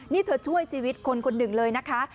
นี่เธอช่วยชีวิตคนคนหนึ่งเลยนะคะ